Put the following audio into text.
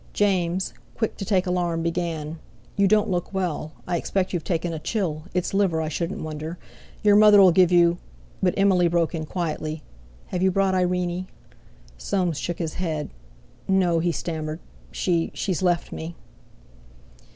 James, quick to take alarm, began: "You don't look well. I expect you've taken a chill—it's liver, I shouldn't wonder. Your mother'll give you...." But Emily broke in quietly: "Have you brought Irene?" Soames shook his head. "No," he stammered, "she—she's left me!"